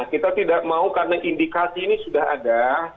kita tidak mau karena indikasi ini sudah ada